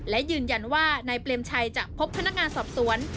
และยืนยันว่านายเปรมชัยจะพบพนักงานสอบสวน